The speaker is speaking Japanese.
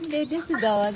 どうぞ。